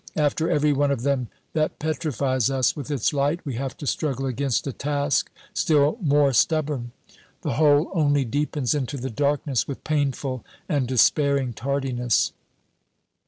After every one of them that petrifies us with its light we have to struggle against a task still more stubborn. The hole only deepens into the darkness with painful and despairing tardiness.